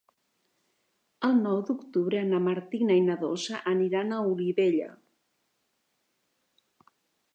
El nou d'octubre na Martina i na Dolça aniran a Olivella.